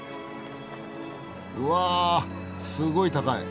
うわっすごい高い。